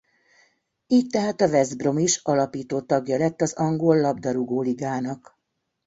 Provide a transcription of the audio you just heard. Így tehát a West Brom is alapító tagja lett az Angol Labdarúgó Ligának.